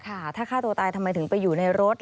ถ้าฆ่าตัวตายทำไมถึงไปอยู่ในรถ